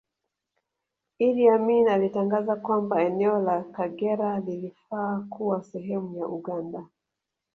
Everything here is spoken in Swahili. Idi Amin alitangaza kwamba eneo la Kagera lilifaa kuwa sehemu ya Uganda